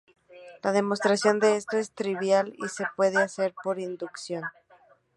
La demostración de esto es trivial y se puede hacer por inducción.